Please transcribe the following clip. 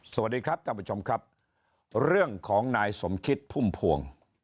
สวัสดีครับท่านผู้ชมครับเรื่องของนายสมคิดพุ่มพวง